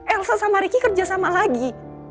elsa sama ricky kerja sama lagi